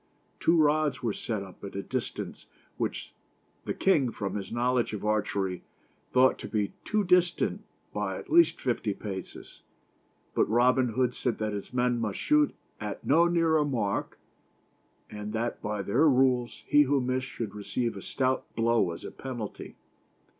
Two rods were set up at a distance which the king, from his knowledge of archery, thought to be too distant by at least fifty paces. But Robin Hood said that his men must shoot at no nearer mark, and that by their rules, he who missed should receive a stout blow as a penalty.